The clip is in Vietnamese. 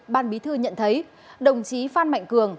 ban bí thư nhận thấy đồng chí phan mạnh cường